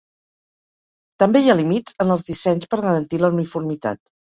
També hi ha límits en els dissenys per garantir la uniformitat.